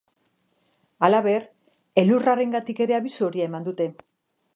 Halaber, elurrarengatik ere abisu horia eman dute.